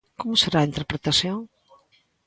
Como será a interpretación?